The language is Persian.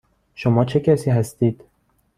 شما چه کسی هستید؟